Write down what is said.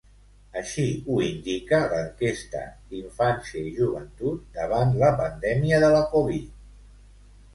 Així ho indica l'enquesta "Infància i joventut davant la pandèmia de la Covid".